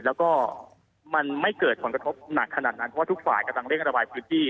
แล้วก็มันไม่เกิดผลกระทบหนักขนาดนั้นเพราะว่าทุกฝ่ายกำลังเร่งระบายพื้นที่